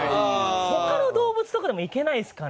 他の動物とかでもいけないですかね？